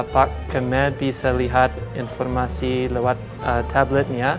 pak kemel bisa lihat informasi lewat tabletnya